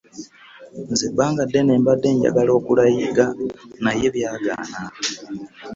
Nze ebbanga ddene mbadde njagala okuluyiga naye byagaana.